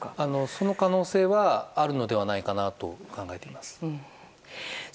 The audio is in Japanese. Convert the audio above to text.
その可能性はあるのではないかなと考えています。